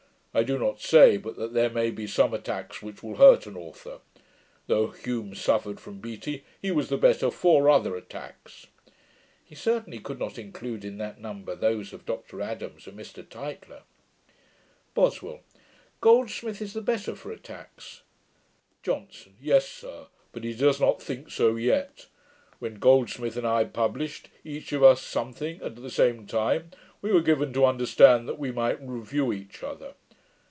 I do not say, but that there may be some attacks which will hurt an author. Though Hume suffered from Beattie, he was the better for other attacks.' (He certainly could not include in that number those of Dr Adams, and Mr Tytler.) BOSWELL. 'Goldsmith is the better for attacks.' JOHNSON. 'Yes, sir; but he does not think so yet. When Goldsmith and I published, each of us something, at the same time, we were given to understand that we might review each other.